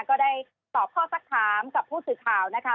ก็ได้ตอบข้อสักถามกับผู้สื่อข่าวนะคะ